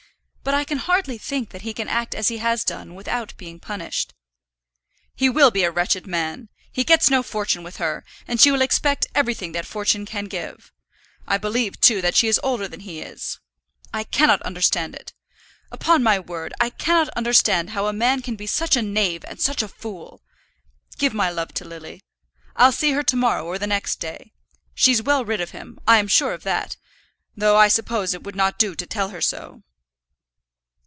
"But I can hardly think that he can act as he has done without being punished." "He will be a wretched man. He gets no fortune with her, and she will expect everything that fortune can give. I believe, too, that she is older than he is. I cannot understand it. Upon my word, I cannot understand how a man can be such a knave and such a fool. Give my love to Lily. I'll see her to morrow or the next day. She's well rid of him; I'm sure of that; though I suppose it would not do to tell her so."